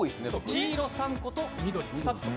黄色３個と緑２つ。